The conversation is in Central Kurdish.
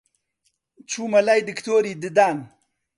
چوومە لای دکتۆری ددان